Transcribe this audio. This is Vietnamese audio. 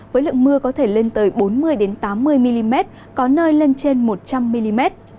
với lượng mưa có thể lên tới bốn mươi tám mươi mm có nơi lên trên một trăm linh mm